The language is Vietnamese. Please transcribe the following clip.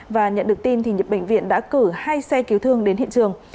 và nhận được tin thì bệnh viện đã cử hai xe cứu thương đến hiện trường